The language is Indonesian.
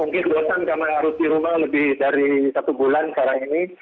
mungkin bosan karena harus di rumah lebih dari satu bulan sekarang ini